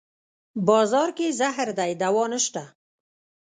بازار کې زهر دی دوانشته